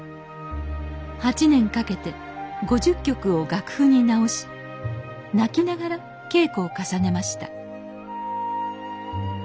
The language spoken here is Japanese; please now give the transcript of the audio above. ８年かけて５０曲を楽譜に直し泣きながら稽古を重ねました